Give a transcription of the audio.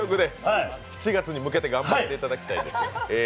７月に向けて頑張っていただきたいと。